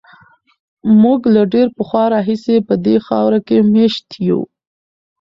موږ له ډېر پخوا راهیسې په دې خاوره کې مېشت یو.